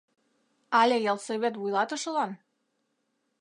Але ялсовет вуйлатышылан?